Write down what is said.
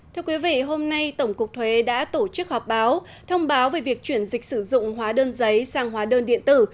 thưa quý vị hôm nay tổng cục thuế đã tổ chức họp báo thông báo về việc chuyển dịch sử dụng hóa đơn giấy sang hóa đơn điện tử